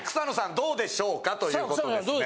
どうでしょうかということですね。